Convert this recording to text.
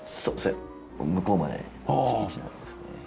そうですね。